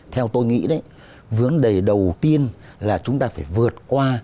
theo tôi nghĩ đấy vấn đề đầu tiên là chúng ta phải vượt qua